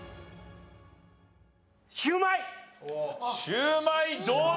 シューマイどうだ？